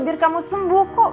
biar kamu sembuh kok